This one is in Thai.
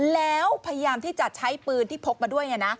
แล้วพยายามที่จะใช้ปืนที่พกมาด้วย